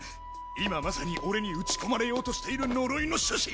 今まさに俺に撃ち込まれようとしている呪いの種子！